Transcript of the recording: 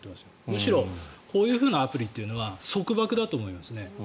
むしろ、こういうふうなアプリは束縛だと思いますね。